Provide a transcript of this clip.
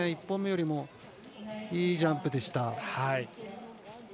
１本目よりもいいジャンプでした。